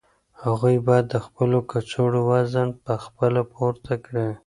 هغوی باید د خپلو کڅوړو وزن په خپله پورته کړي.